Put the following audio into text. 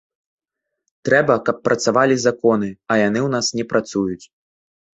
Трэба, каб працавалі законы, а яны ў нас не працуюць.